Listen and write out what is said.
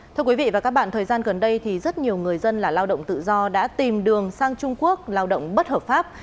thưa quý vị và các bạn thời gian gần đây thì rất nhiều người dân là lao động tự do đã tìm đường sang trung quốc lao động bất hợp pháp